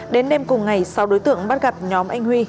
đến đêm cùng ngày sau đối tượng bắt gặp nhóm anh huy